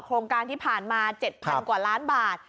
โครงการที่ผ่านมา๗๐๐กว่าล้านบาท